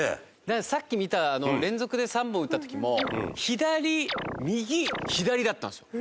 さっき見た連続で３本打った時も左右左だったんですよ。